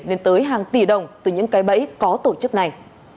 mấy hàng tỷ đồng từ những cái bẫy có tổ chức này